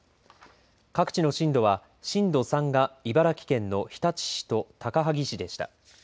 各地の震度は震度３が茨城県の日立市と高萩市でした。